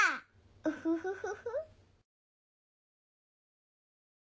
ウフフフフ。